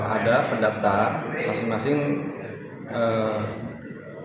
ada pendaftar masing masing